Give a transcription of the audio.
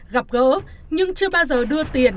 gặp gỡ nhưng chưa bao giờ đưa tiền